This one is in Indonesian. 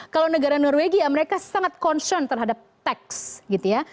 kalau negara norwegia mereka sangat concern terhadap teks gitu ya